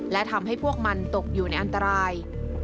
และทำให้พวกมันตกอยู่ในอันตราย